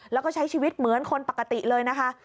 แล้วก็ใช้ชีวิตเหมือนคนปกติเลยนะคะ